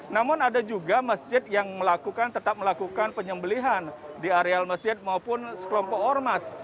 namun ada juga masjid yang melakukan tetap melakukan penyembelihan di areal masjid maupun sekelompok ormas